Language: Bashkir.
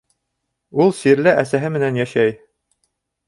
Ул сирле әсәһе менән йәшәй.